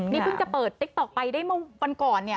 นี่เพิ่งจะเปิดติ๊กต๊อกไปได้เมื่อวันก่อนเนี่ย